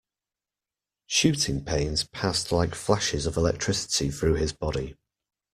Shooting pains passed like flashes of electricity through his body.